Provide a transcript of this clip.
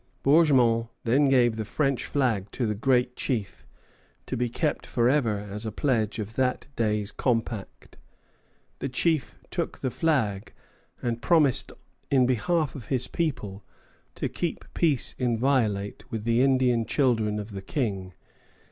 Bourgmont then gave the French flag to the Great Chief, to be kept forever as a pledge of that day's compact. The chief took the flag, and promised in behalf of his people to keep peace inviolate with the Indian children of the King.